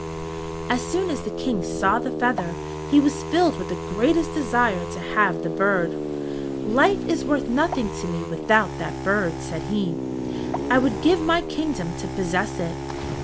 As soon as the King saw the feather he was filled with the greatest desire to have the bird. "Life is worth nothing to me without that bird," said he. "I would give my kingdom to possess it."